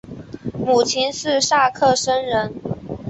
母亲是萨克森人。